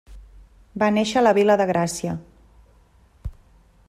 Va néixer a la Vila de Gràcia.